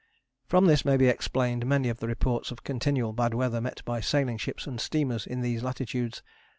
From this may be explained many of the reports of continual bad weather met by sailing ships and steamers in these latitudes.